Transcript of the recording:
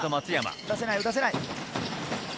打たせない、打たせない。